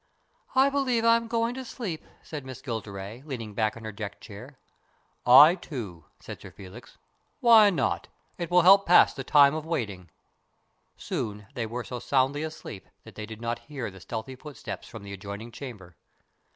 " I believe I'm going to sleep," said Miss Gilderay, leaning back in her deck chair, "I too," said Sir Felix. "Why not? It will help to pass the time of waiting." Soon they were so soundly asleep that they did not hear the stealthy footsteps from the adjoining chamber.